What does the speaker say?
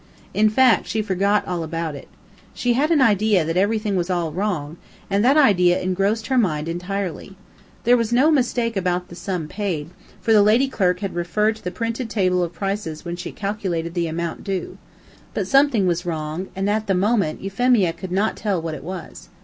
In fact she forgot all about it. She had an idea that everything was all wrong, and that idea engrossed her mind entirely. There was no mistake about the sum paid, for the lady clerk had referred to the printed table of prices when she calculated the amount due. But something was wrong, and, at the moment, Euphemia could not tell what it was.